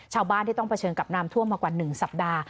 ชาวบ้านที่ต้องเผชิญกับน้ำท่วมมากว่า๑สัปดาห์